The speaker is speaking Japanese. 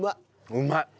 うまい。